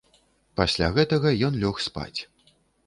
Пасля гэтага ён лёг спаць.